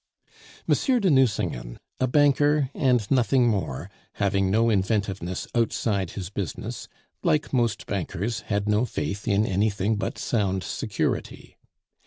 Monsieur de Nucingen, a banker and nothing more, having no inventiveness outside his business, like most bankers, had no faith in anything but sound security.